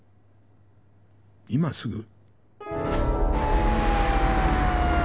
今すぐ？